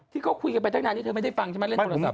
เขาก็คุยกันไปตั้งนานที่เธอไม่ได้ฟังใช่ไหมเล่นโทรศัพ